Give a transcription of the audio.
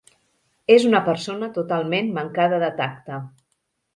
És una persona totalment mancada de tacte.